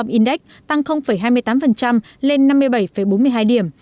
vn index tăng hai mươi tám lên năm mươi bảy bốn mươi hai điểm